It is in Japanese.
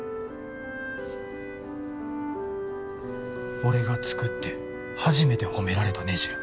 俺が作って初めて褒められたねじや。